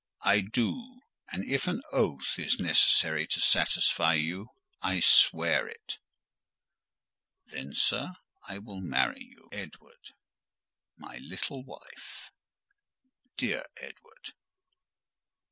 "I do; and if an oath is necessary to satisfy you, I swear it." "Then, sir, I will marry you." "Edward—my little wife!" "Dear Edward!"